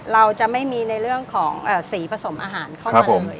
เราจะไม่มีในเรื่องของสีผสมอาหารเข้ามาเลย